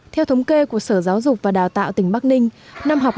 theo thống kê của sở giáo dục và đào tạo tỉnh bắc ninh